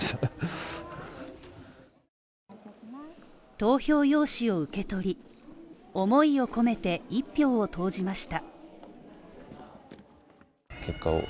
投票用紙を受け取り、思いを込めて一票を投じました。